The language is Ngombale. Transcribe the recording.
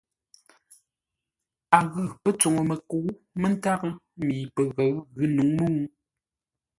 A ghʉ pə́ tsuŋu məkə̌u mə́ntárə́ mi pəghəʉ ghʉ̌ nǔŋ mə́u.